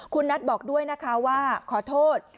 คุณนัทบอกด้วยนะคะว่าขอโทษ